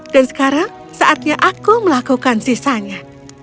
sekarang saatnya aku melakukan sisanya